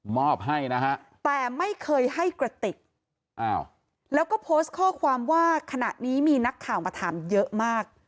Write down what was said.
ให้นะฮะแต่ไม่เคยให้กระติกแล้วก็โพสต์ข้อความว่าขณะนี้มีนักข่าวมาถามเยอะมาก